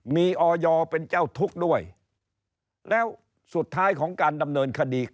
มีออยเป็นเจ้าทุกข์ด้วยแล้วสุดท้ายของการดำเนินคดี